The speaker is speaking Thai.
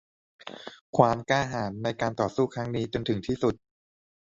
ความกล้าหาญในการต่อสู้ครั้งนี้จนถึงที่สุด